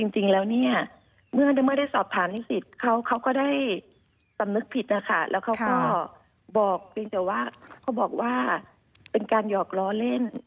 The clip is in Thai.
จริงแล้วเนี่ยเมื่อได้สอบผ่านนิสิตเขาก็ได้สำนึกผิดนะคะแล้วเขาก็บอกว่าเป็นการหยอกล้อเล่น